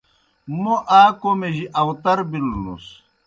موْ آ کوْمِجیْ آؤتر بِلوْنُس۔